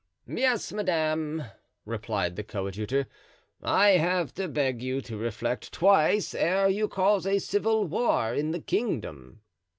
"Yes, madame," replied the coadjutor; "I have to beg you to reflect twice ere you cause a civil war in the kingdom."